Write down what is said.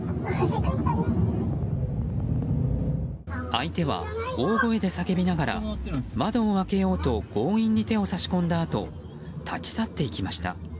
相手は大声で叫びながら窓を開けようと強引に手を差し込んだあと立ち去っていきました。